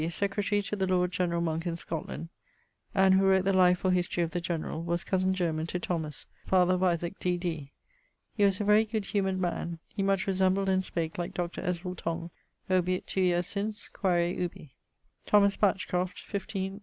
secretary to the lord generall Monke in Scotland, and who wrote the life or history of the generall, was cosen german to Thomas (father of Isaac, D.D.). He was a very good humoured man. He much resembled and spake like Dr. Ezerel Tong. Obiit 2 yeares since: quaere ubi. =Thomas Batchcroft= (15..